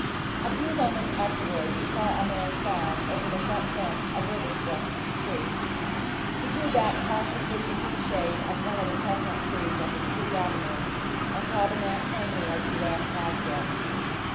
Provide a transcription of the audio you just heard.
A few moments afterwards he saw a man climb over the front fence of Riversbrook to the street. He drew back cautiously into the shade of one of the chestnut trees of the street avenue, and saw the man plainly as he ran past him.